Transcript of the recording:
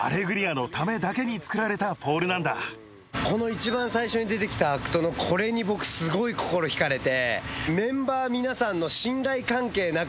一番最初に出てきたアクトのこれに僕すごい心引かれて。